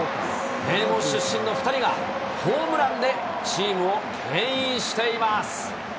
名門出身の２人が、ホームランでチームをけん引しています。